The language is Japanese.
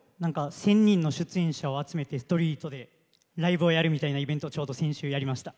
１０００人の出演者を集めて次々と歌うみたいなイベントをちょうど先週やりました。